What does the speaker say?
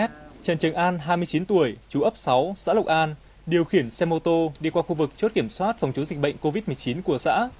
trần trường an hai mươi chín tuổi chú ấp sáu xã lộc an điều khiển xe mô tô đi qua khu vực chốt kiểm soát phòng chống dịch bệnh covid một mươi chín của xã